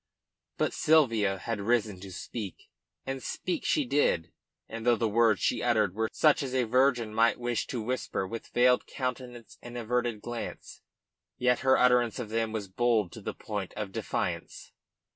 But Sylvia had risen to speak, and speak she did, and though the words she uttered were such as a virgin might wish to whisper with veiled countenance and averted glance, yet her utterance of them was bold to the point of defiance.